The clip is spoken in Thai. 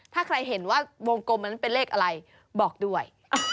ถ้าใครเห็นว่าวงกลมอันนั้นเป็นเลขอะไรบอกด้วย